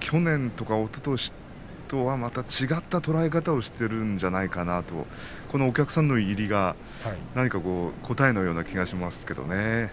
去年とかおととしとはまた違った捉え方をしているのかなとこのお客さんの入りが答えのような気がしていますけれどもね。